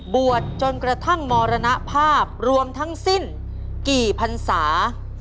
บวชจนกระทั่งมรณภาพรวมทั้งสิ้นกี่พันศา